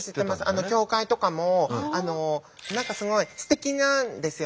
教会とかも何かすごいすてきなんですよ。